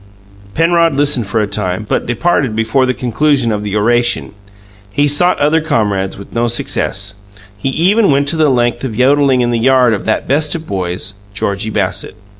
Penrod listened for a time, but departed before the conclusion of the oration. He sought other comrades, with no success; he even went to the length of yodelling in the yard of that best of boys, Georgie Bassett.